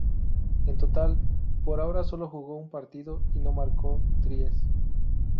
En total, por ahora solo jugó un partido y no marcó tries.